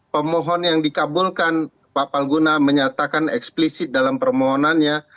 pemohon yang dikabulkan pak palguna menyatakan eksplisit dalam permohonannya